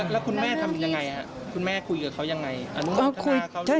แล้วคุณแม่ทำยังไงคุณแม่คุยกับเขายังไง